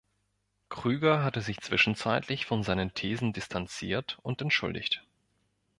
Krüger hatte sich zwischenzeitlich von seinen Thesen distanziert und entschuldigt.